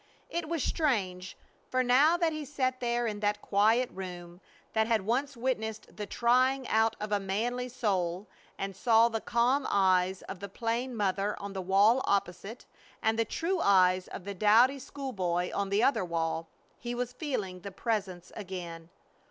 It was strange, for now that he sat there in that quiet room that had once witnessed the trying out of a manly soul, and saw the calm eyes of the plain mother on the wall opposite, and the true eyes of the dowdy school boy on the other wall, he was feeling the Presence again!